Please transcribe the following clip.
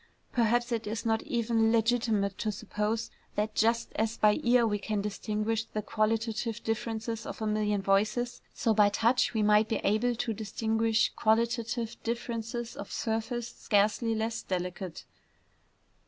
Perhaps it is not yet even legitimate to suppose that, just as by ear we can distinguish the qualitative differences of a million voices, so by touch we might be able to distinguish qualitative differences of surface scarcely less delicate.